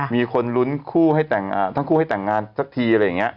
มีคนลุ้นทั้งคู่ให้แต่งงานสักที